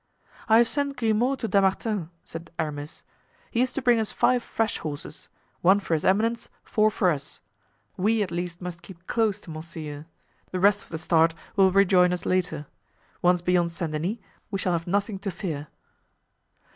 "I have sent Grimaud to Dammartin," said Aramis. "He is to bring us five fresh horses—one for his eminence, four for us. We, at least, must keep close to monseigneur; the rest of the start will rejoin us later. Once beyond Saint Denis we shall have nothing to fear."